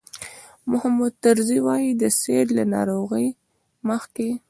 محمود طرزي وایي د سید له ناروغۍ مخکې.